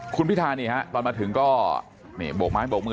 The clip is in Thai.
คุณพิธานี่ฮะตอนมาถึงก็นี่บวกมาให้บอกมือ